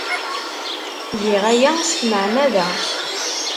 Giɣ aya s tmeɛmada.